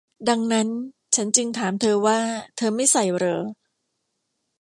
ดังนั้นฉันจึงถามเธอว่า - เธอไม่ใส่เหรอ ?